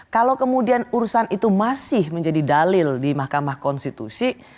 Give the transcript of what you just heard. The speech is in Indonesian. kalau kemudian urusan itu masih menjadi dalil di mahkamah konstitusi